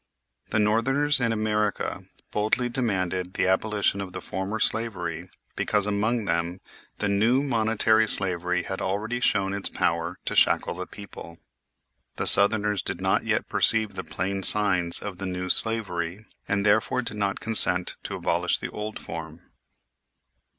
(The Northerners in America boldly demanded the abolition of the former slavery because, among them, the new monetary slavery had already shown its power to shackle the people. The Southerners did not yet perceive the plain signs of the new slavery, and therefore did not consent to abolish the old form.)